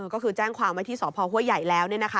ก็คือแจ้งความไว้ที่สพห้วยใหญ่แล้ว